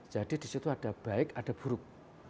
jadi disitu ada baik ada buruk